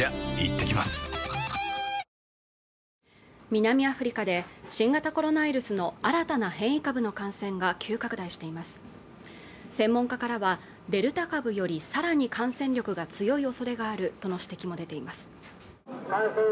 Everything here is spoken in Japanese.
南アフリカで新型コロナウイルスの新たな変異株の感染が急拡大しています専門家からはデルタ株よりさらに感染力が強い恐れがあるとの指摘も出ています